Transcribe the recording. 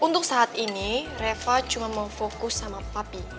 untuk saat ini reva cuma mau fokus sama papi